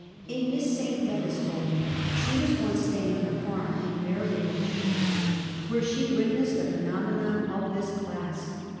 A Miss St. Denis told me she was once staying on a farm, in Merionethshire, where she witnessed a phenomenon of this class.